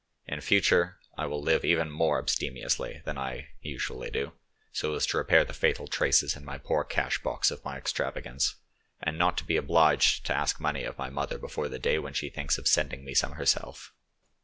In future I will live even more abstemiously than I usually do, so as to repair the fatal traces in my poor cash box of my extravagance, and not to be obliged to ask money of my mother before the day when she thinks of sending me some herself."